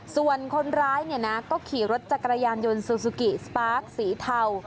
ส่วนคนร้ายเนี่ยนะก็ขี่รถจักรยานยนต์ซูซูกิสปาร์คสีเทา